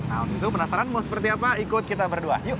nah untuk penasaran mau seperti apa ikut kita berdua yuk